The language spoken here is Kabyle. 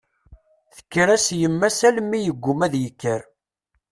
Tekker-as yemma-s almi yeggumma ad ikker.